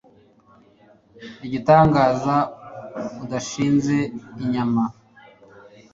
Igitangaza udashinze inyama